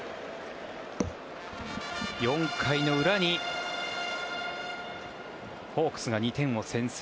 ４回の裏にホークスが２点を先制。